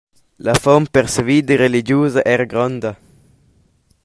La fom per savida religiusa era gronda.